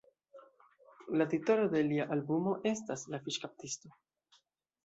La titolo de lia albumo estas "La Fiŝkaptisto".